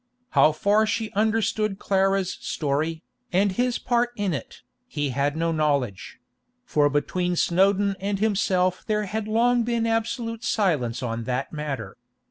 How far she understood Clara's story, and his part in it, he had no knowledge; for between Snowdon and himself there had long been absolute silence on that matter.